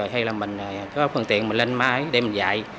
hay là mình có phần tiện mình lên máy để mình dạy